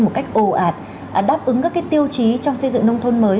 một cách ồ ạt đáp ứng các tiêu chí trong xây dựng nông thôn mới